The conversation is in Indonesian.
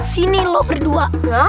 sini lu berdua